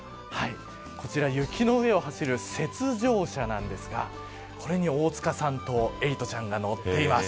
こちら雪の上を走る雪上車なんですがこれに大塚さんとエイトちゃんが乗っています。